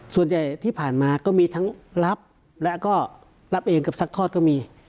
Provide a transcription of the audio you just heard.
ส่วนใหญ่ที่ผ่านมาก็มีทั้งรับและก็รับเองกับซัดทอดก็มี